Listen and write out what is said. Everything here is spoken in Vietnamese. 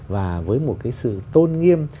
và với một cái sự tôn nghiêm